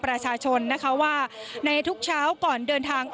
ประชาชนนะคะว่าในทุกเช้าก่อนเดินทาง